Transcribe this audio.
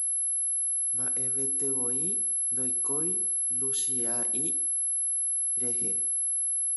mba'evetevoi ndoikói Luchia'i rehe.